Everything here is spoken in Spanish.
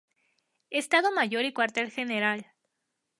Estado Mayor y Cuartel General.